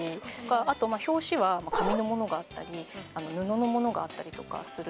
あと表紙は紙のものがあったり布のものがあったりとかするので。